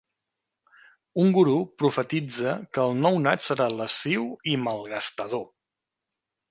Un guru profetitza que el nounat serà lasciu i malgastador.